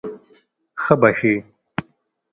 ښه به شې.